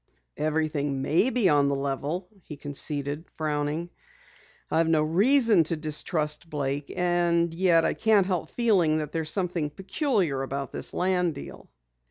"Everything may be on the level," he conceded, frowning. "I've no reason to distrust Blake, and yet I can't help feeling that there's something peculiar about this land deal."